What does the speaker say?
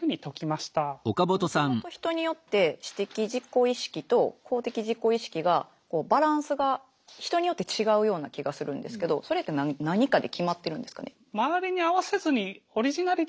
もともと人によって私的自己意識と公的自己意識がバランスが人によって違うような気がするんですけどそれって何かで決まってるんですかね？